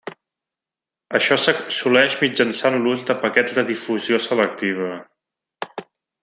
Això s'assoleix mitjançant l'ús de paquets de difusió selectiva.